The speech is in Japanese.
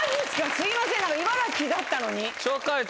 すいません「いばらき」だったのに。